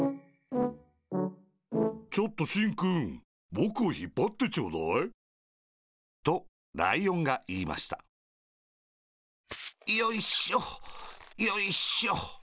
ちょっとしんくんぼくをひっぱってちょうだい。とライオンがいいましたよいしょよいしょ。